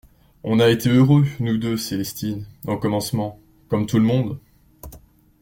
On a été heureux, nous deux Célestine, au commencement, comme tout le monde.